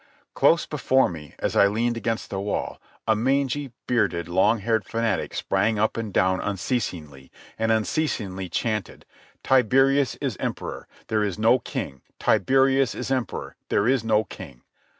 Close before me, as I leaned against the wall, a mangy, bearded, long haired fanatic sprang up and down unceasingly, and unceasingly chanted: "Tiberius is emperor; there is no king! Tiberius is emperor; there is no king!"